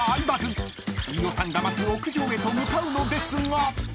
［飯尾さんが待つ屋上へと向かうのですが］